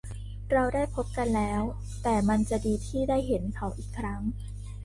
เราได้พบกันแล้ว แต่มันจะดีที่ได้เห็นเขาอีกครั้ง